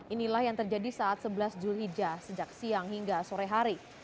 inilah yang terjadi saat sebelas julhijjah sejak siang hingga sore hari